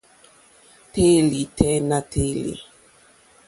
Téèlì tɛ́ nà téèlì.